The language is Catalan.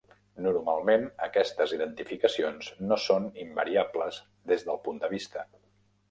Normalment aquestes identificacions no són invariables des del punt de vista.